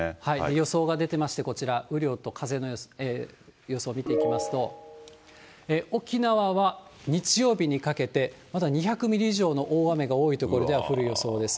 予想が出ていまして、こちら、雨量と風の予想を見ていきますと、沖縄は日曜日にかけてまだ２００ミリ以上の雨が、大雨が多い所では降る予想です。